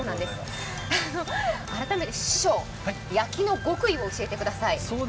改めて師匠、焼きの極意を教えてください。